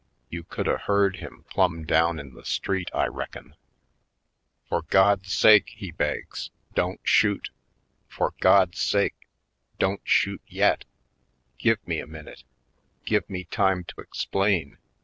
You could a heard him plumb down in the street I reckon. 246 /. PoindexteVj Colored "For God's sake," he begs, "don't shoot! For God's sake, don't shoot j^etl Give me a minute — give me time to explain!